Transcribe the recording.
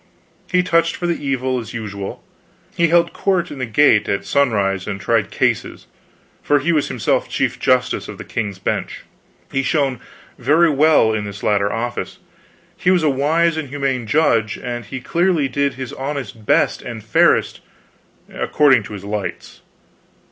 He touched for the evil, as usual; he held court in the gate at sunrise and tried cases, for he was himself Chief Justice of the King's Bench. He shone very well in this latter office. He was a wise and humane judge, and he clearly did his honest best and fairest, according to his lights.